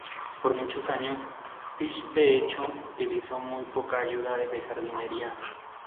Por muchos años, Fish de hecho utilizó muy poca ayuda de jardinería.